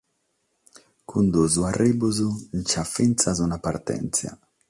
Cun duos arribos b'at fintzas una partèntzia.